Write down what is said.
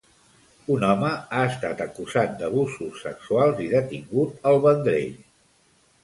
Un home ha estat acusat d'abusos sexuals i detingut al Vendrell.